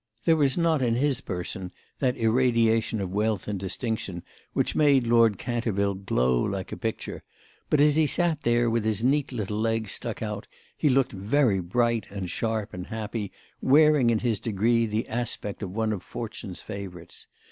There was not in his person that irradiation of wealth and distinction which made Lord Canterville glow like a picture; but as he sat there with his neat little legs stuck out he looked very bright and sharp and happy, wearing in his degree the aspect of one of Fortune's favourites.